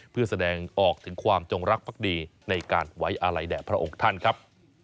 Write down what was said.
เพื่อแสดงออกถึงความจงรักภักดีในการไว้อาลัยแด่พระองค์ท่านครับ